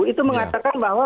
itu mengatakan bahwa